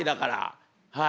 はい。